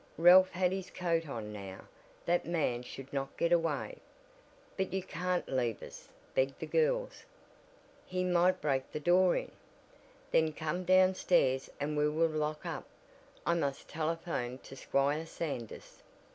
Ralph had his coat on now. That man should not get away! "But you can't leave us," begged the girls. "He might break the door in." "Then come down stairs and we will lock up. I must telephone to Squire Sanders."